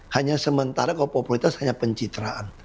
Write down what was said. hanya sementara kalau populitas hanya pencitraan